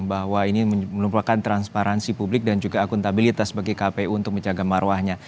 bahwa ini merupakan transparansi publik dan juga akuntabilitas bagi kpu untuk menjaga marwahnya